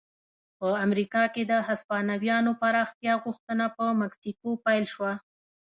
په امریکا کې د هسپانویانو پراختیا غوښتنه په مکسیکو پیل شوه.